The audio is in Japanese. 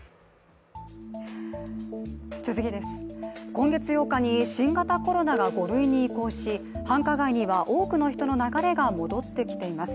今月８日に新型コロナが５類に移行し、繁華街には多くの人の流れが戻ってきています。